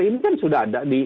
ini kan sudah ada